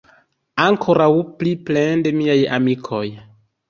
Ankoraŭ pli plende, miaj amikoj!